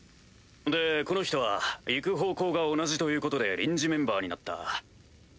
でこの人は行く方向が同じということで臨時メンバーになった。